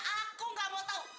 aku gak mau tau